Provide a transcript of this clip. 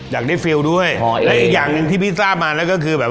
อยากได้ฟิลล์ด้วยและอีกอย่างหนึ่งที่พี่ทราบมาแล้วก็คือแบบ